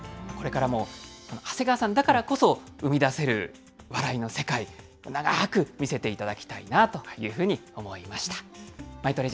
これからも長谷川さんだからこそ生み出せる笑いの世界、長く見せていただきたいなというふうに思いました。